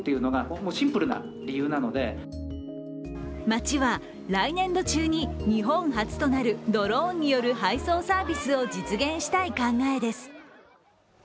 町は来年度中に日本初となるドローンによる配送サービスを実現したい考えです。